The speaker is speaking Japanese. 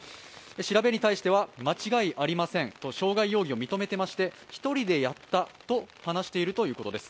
調べに対しては、間違いありませんと傷害容疑を認めていまして１人でやったと話しているということです。